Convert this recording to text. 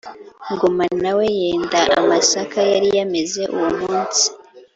Ngoma na we yenda amasaka yari yameze uwo munsi,